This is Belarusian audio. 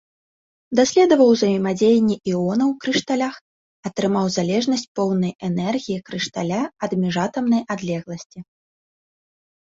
Даследаваў узаемадзеянні іонаў у крышталях, атрымаў залежнасць поўнай энергіі крышталя ад міжатамнай адлегласці.